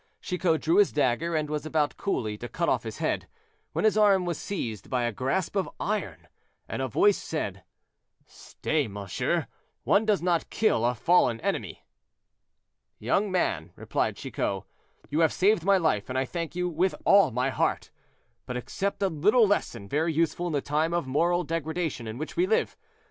Chicot drew his dagger, and was about coolly to cut off his head, when his arm was seized by a grasp of iron, and a voice said: "Stay! monsieur; one does not kill a fallen enemy." "Young man," replied Chicot, "you have saved my life, and I thank you with all my heart; but accept a little lesson very useful in the time of moral degradation in which we live.